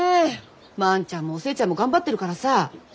万ちゃんもお寿恵ちゃんも頑張ってるからさ。